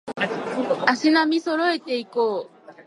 足並み揃えていこう